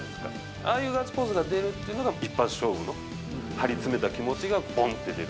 ああいうガッツポーズが出るっていうのが、一発勝負の張り詰めた気持ちがぽんって出る。